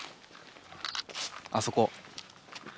あそこ。